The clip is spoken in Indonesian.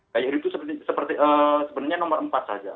gaya hidup itu sebenarnya nomor empat saja